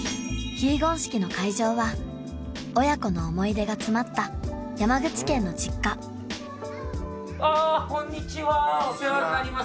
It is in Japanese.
結言式の会場は親子の思い出が詰まった山口県の実家あこんにちはお世話になります